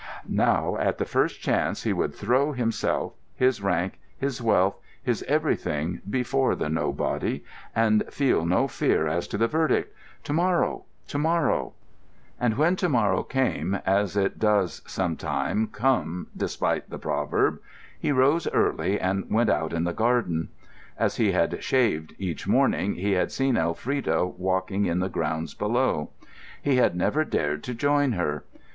Now, at the first chance, he would throw himself, his rank, his wealth, his everything before the nobody, and feel no fear as to the verdict. To morrow—to morrow! And when to morrow came, as it does sometimes come despite the proverb, he rose early and went out in the garden. As he had shaved each morning, he had seen Elfrida walking in the grounds below. He had never dared to join her.